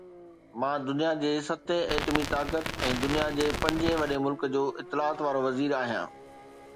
مان دنيا جي ستين ايٽمي طاقت ۽ دنيا جي پنجين وڏي ملڪ جو اطلاعات وارو وزير آهيان